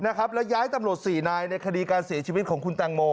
นะครับแล้วย้ายตำรวจสี่นายในคดีการเสียชีวิตของคุณตังโม